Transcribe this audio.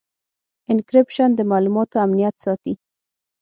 انکریپشن د معلوماتو امنیت ساتي.